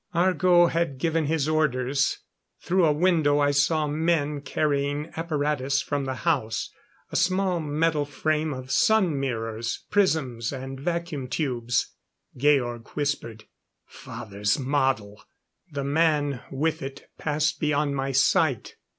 Argo had given his orders. Through a window I saw men carrying apparatus from the house. A small metal frame of sun mirrors, prisms and vacuum tubes. Georg whispered: "Father's model." The man with it passed beyond my sight.